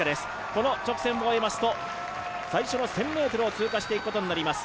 この直線を終えますと、最初の１０００ｍを通過していくことになります。